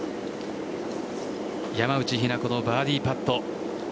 山内日菜子のバーディーパット。